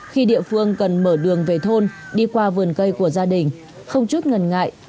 khi địa phương cần mở đường về thôn đi qua vườn cây của gia đình không chút ngần ngại